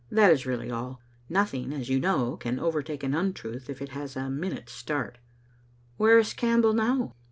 That is really all. Nothing, as yoia know, can overtake an untruth if it has a minute's start." "Where is Campbell now?"